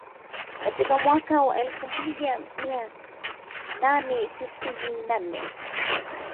Katika mwaka wa elfu moja mia nane tisini na nne